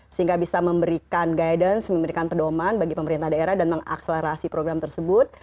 sehingga bisa memberikan guidance memberikan pedoman bagi pemerintah daerah dan mengakselerasi program tersebut